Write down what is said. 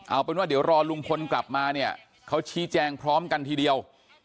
เอาเป็นว่าเดี๋ยวรอลุงพลกลับมาเนี่ยเขาชี้แจงพร้อมกันทีเดียว